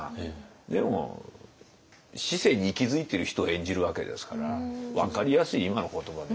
でも市井に息づいている人を演じるわけですから分かりやすい今の言葉で。